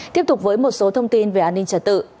tiếp tục với một số thông tin về an ninh trật tự